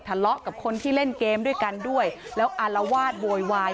ทะเลาะกับคนที่เล่นเกมด้วยกันด้วยแล้วอารวาสโวยวาย